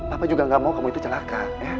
apa juga gak mau kamu itu celaka